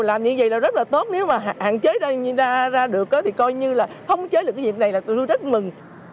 làm như vậy là rất là tốt nếu mà hạn chế ra đường thì coi như là không chế được cái việc này là tôi rất mừng